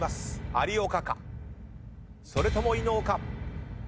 有岡かそれとも伊野尾か。